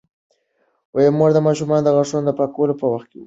مور د ماشومانو د غاښونو د پاکولو په وخت پوهیږي.